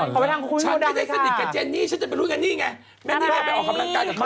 นั่นค่ะ